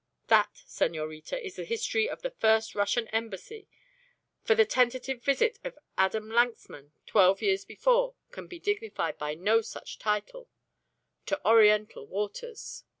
That, senorita, is the history of the first Russian Embassy for the tentative visit of Adam Lanxmann, twelve years before, can be dignified by no such title to Oriental waters.